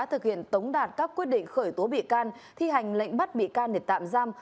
thực hiện tống đạt các quyết định khởi tố bị can thi hành lệnh bắt bị can để tạm giam